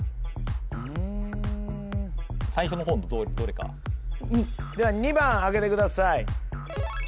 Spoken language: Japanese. ・うん最初の方のどれかでは２番開けてください